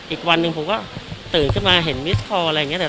อีกวันหนึ่งผมก็ตื่นขึ้นมาเห็นมิสคอลอะไรอย่างนี้